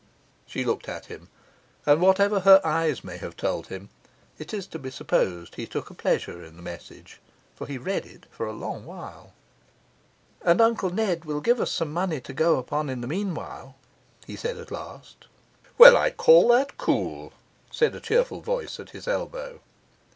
She looked at him; and whatever her eyes may have told him, it is to be supposed he took a pleasure in the message, for he read it a long while. 'And Uncle Ned will give us some money to go on upon in the meanwhile,' he said at last. 'Well, I call that cool!' said a cheerful voice at his elbow.